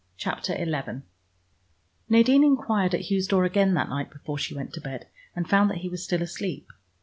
CHAPTER XI Nadine enquired at Hugh's door again that night before she went to bed, and found that he was still asleep.